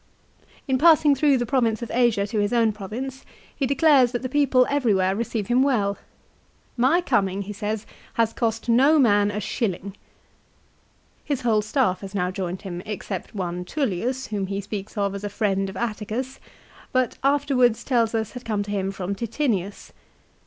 3 In passing through the province of Asia to his own province, he declares that the people everywhere receive him well. " My coming," he says, " has cost no man a shilling.* His whole staff has now joined him except one Tullius whom he speaks of as a friend of Atticus, but afterwards tells us had come to him from Titinius.